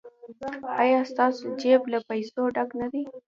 ایا ستاسو جیب له پیسو ډک نه دی؟